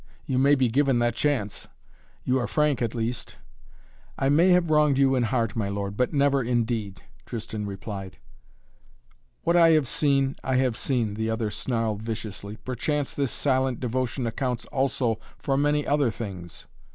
You may be given that chance. You are frank at least " "I may have wronged you in heart, my lord, but never in deed " Tristan replied. "What I have seen, I have seen," the other snarled viciously. "Perchance this silent devotion accounts also for many other things."